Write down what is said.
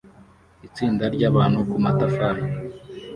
Itsinda ryabantu kumatafari